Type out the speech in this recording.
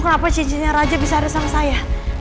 kenapa cici nikahnya raja bisa ada di tangan saya